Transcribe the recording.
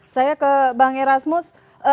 saya ke bang erasmus